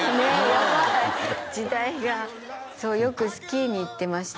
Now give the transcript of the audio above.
やばい時代がそうよくスキーに行ってました